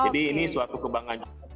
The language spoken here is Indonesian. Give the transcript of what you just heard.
jadi ini suatu kebanggaan